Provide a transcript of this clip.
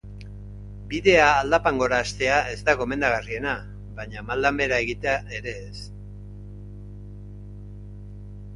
Bidea aldapan gora hastea ez da gomendagarriena, baina maldan behera egitea ere ez.